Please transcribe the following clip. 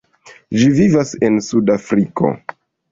Ĝi vivas en Suda Afriko.